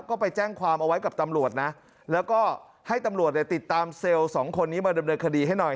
ก็ไปแจ้งความเอาไว้กับตำรวจนะแล้วก็ให้ตำรวจเนี่ยติดตามเซลล์สองคนนี้มาดำเนินคดีให้หน่อย